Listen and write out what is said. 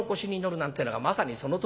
なんてえのがまさにそのとおり。